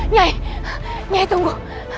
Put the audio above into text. nyai nyai tunggu